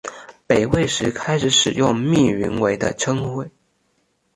北魏时开始使用密云为的称谓。